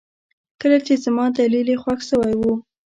لکه چې زما دليل يې خوښ شوى و.